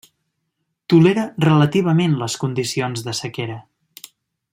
Tolera relativament les condicions de sequera.